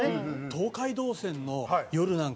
東海道線の夜なんかは本当。